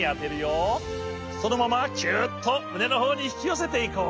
そのままキュッとむねのほうにひきよせていこう。